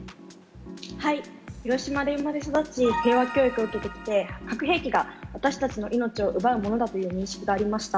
広島で生まれ育ち、平和教育を受けてきて、核兵器が私たちの命を奪うものだという認識がありました。